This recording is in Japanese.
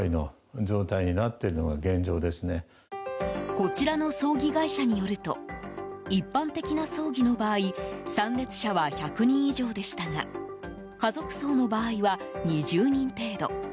こちらの葬儀会社によると一般的な葬儀の場合参列者は１００人以上でしたが家族葬の場合は２０人程度。